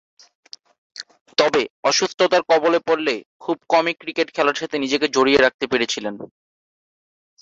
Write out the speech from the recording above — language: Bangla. তবে, অসুস্থতার কবলে পড়লে খুব কমই ক্রিকেট খেলার সাথে নিজেকে জড়িত রাখতে পেরেছিলেন।